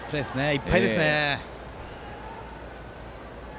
いっぱいですね。